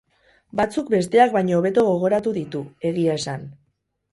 Batzuk besteak baino hobeto gogoratu ditu, egia esan.